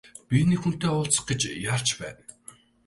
Би нэг хүнтэй уулзах гэж яарч байна.